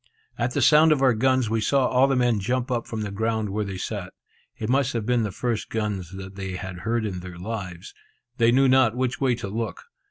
At the sound of our guns, we saw all the men jump up from the ground where they sat. It must have been the first gun the I had heard in their lives. They knew not which way to look.